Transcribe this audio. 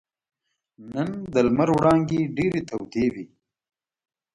نن د لمر وړانګې ډېرې تودې وې.